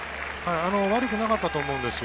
悪くなかったと思うんですよ。